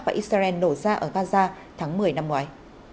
và israel nổ ra ở gaza tháng một mươi năm ngoái